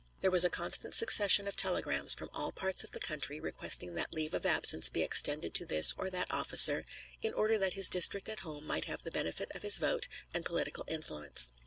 There was a constant succession of telegrams from all parts of the country requesting that leave of absence be extended to this or that officer, in order that his district at home might have the benefit of his vote and political influence.